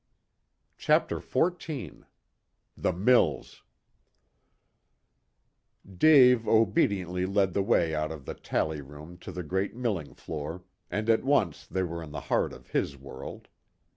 CHAPTER XIV THE MILLS Dave obediently led the way out of the tally room to the great milling floor, and at once they were in the heart of his world.